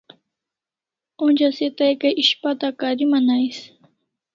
Onja se tai kai ishpata kariman ais